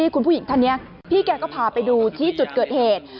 คุณผู้หญิงท่านนี้พี่แกก็พาไปดูที่จุดเกิดเหตุ